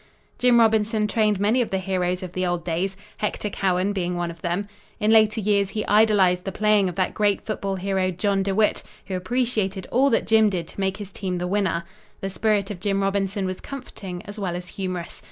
Jim Robinson trained many of the heroes of the old days, Hector Cowan being one of them. In later years he idolized the playing of that great football hero, John DeWitt, who appreciated all that Jim did to make his team the winner. The spirit of Jim Robinson was comforting as well as humorous.